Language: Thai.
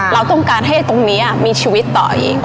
เราต้องการให้ตรงนี้มีชีวิตต่ออีก